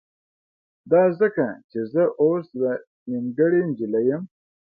دا ځکه چې زه اوس يوه نيمګړې نجلۍ يم.